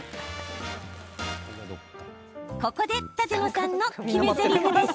ここで舘野さんの決めぜりふです。